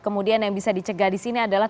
kemudian yang bisa dicegah di sini adalah